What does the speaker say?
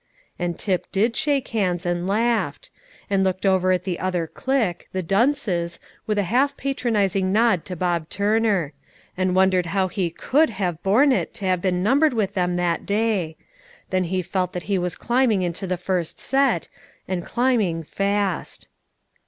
And Tip did shake hands, and laughed; and looked over at the other clique the dunces with a half patronizing nod to Bob Turner; and wondered how he could, have borne it to have been numbered with them that day; then he felt that he was climbing into the first set, and climbing fast.